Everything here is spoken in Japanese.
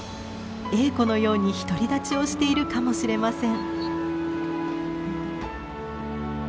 エーコのように独り立ちをしているかもしれません。